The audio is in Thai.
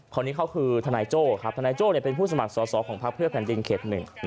คนนี้เขาคือทนายโจ้ครับทนายโจ้เป็นผู้สมัครสอสอของพักเพื่อแผ่นดินเขต๑